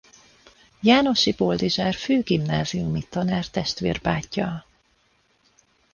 Jánosi Boldizsár főgimnáziumi tanár testvérbátyja.